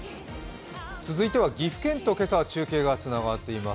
続いては岐阜県と今朝は中継がつながっています。